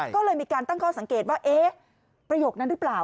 ก็เลยมีการตั้งข้อสังเกตว่าเอ๊ะประโยคนั้นหรือเปล่า